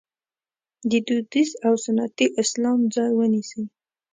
د دودیز او سنتي اسلام ځای ونیسي.